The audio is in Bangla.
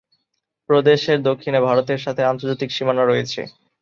প্রদেশের দক্ষিণে ভারতের সাথে আন্তর্জাতিক সীমানা রয়েছে।